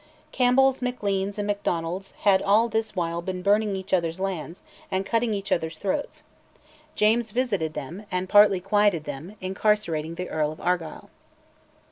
Campbells, Macleans, and Macdonalds had all this while been burning each other's lands, and cutting each other's throats. James visited them, and partly quieted them, incarcerating the Earl of Argyll.